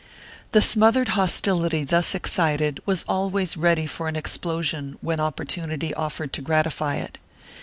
The smothered hostility thus excited was always ready for an explosion when opportunity offered to gratify it.